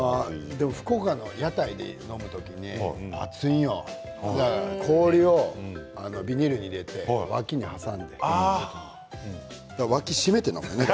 福岡の屋台で飲む時、暑いよ氷をビニールに入れてわきに挟んでわきを締めている。